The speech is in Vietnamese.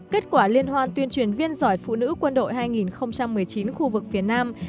kết quả liên hoan tuyên truyền viên giỏi phụ nữ quân đội hai nghìn một mươi chín khu vực phía nam